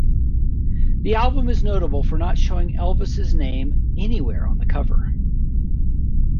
The album is notable for not showing Elvis' name anywhere on the cover.